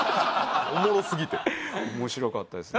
おもろすぎて面白かったです